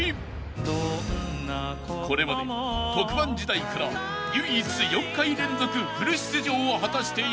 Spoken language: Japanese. ［これまで特番時代から唯一４回連続フル出場を果たしているこの男］